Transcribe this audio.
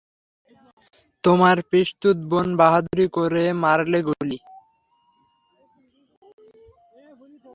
তোমার পিসতুত বোন বাহাদুরি করে মারলে গুলি।